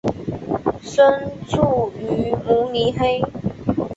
生卒于慕尼黑。